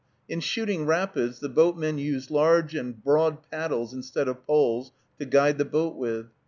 In shooting rapids the boatmen use large and broad paddles, instead of poles, to guide the boat with.